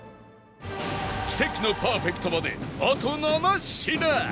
奇跡のパーフェクトまであと７品